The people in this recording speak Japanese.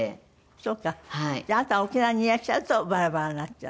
じゃああなたが沖縄にいらっしゃるとバラバラになっちゃう。